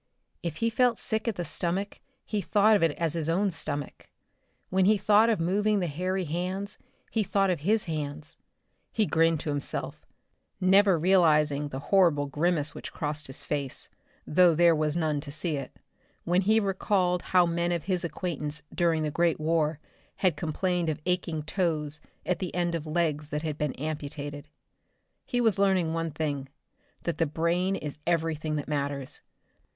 If he felt sick at the stomach he thought of it as his own stomach. When he thought of moving the hairy hands he thought of his hands. He grinned to himself never realizing the horrible grimace which crossed his face, though there was none to see it when he recalled how men of his acquaintance during the Great War, had complained of aching toes at the end of legs that had been amputated! He was learning one thing that the brain is everything that matters.